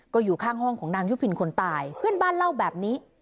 ก็อยู่ข้างห้องของนางยุพินคนตายเพื่อนบ้านเล่าแบบนี้